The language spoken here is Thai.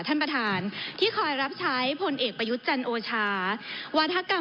ท่านประธานที่คอยรับใช้พลเอกประยุทธ์จันโอชาวาธกรรม